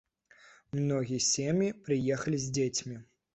Многія сем'і прыехалі з дзецьмі.